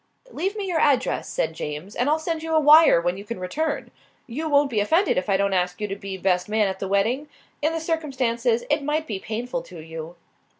"Leave me your address," said James, "and I'll send you a wire when you can return. You won't be offended if I don't ask you to be best man at the wedding? In the circumstances it might be painful to you."